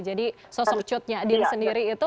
jadi sosok cutnya din sendiri itu